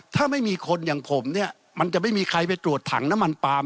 ถ้าไม่มีคนอย่างผมเนี่ยมันจะไม่มีใครไปตรวจถังน้ำมันปาล์ม